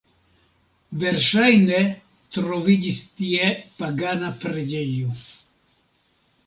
Verŝajne troviĝis tie pagana preĝejo.